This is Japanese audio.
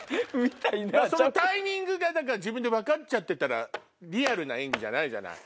そのタイミングが自分で分かっちゃってたらリアルな演技じゃないじゃない。